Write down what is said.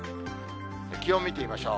気温見てみましょう。